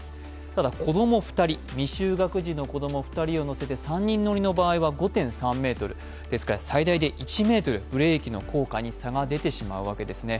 ただ子供２人未就学児の子供２人を乗せての場合は５．３ｍですから最大で１ｍ、ブレーキの効果に差が出てしまうわけです。